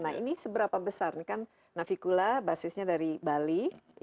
nah ini seberapa besar kan navicula basisnya dari bali